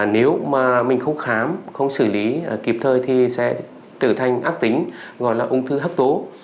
nếu mà mình không khám không xử lý kịp thời thì sẽ trở thành ác tính gọi là ung thư hấp tố